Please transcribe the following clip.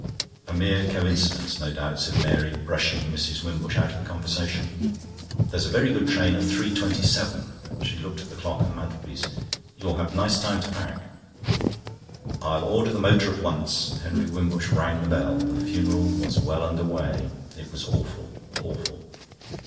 "A mere coincidence, no doubt," said Mary, brushing Mrs. Wimbush out of the conversation. "There's a very good train at 3.27." She looked at the clock on the mantelpiece. "You'll have nice time to pack." "I'll order the motor at once." Henry Wimbush rang the bell. The funeral was well under way. It was awful, awful.